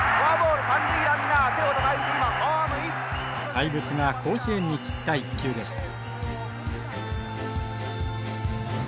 怪物が甲子園に散った一球でした。